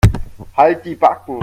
Halt die Backen.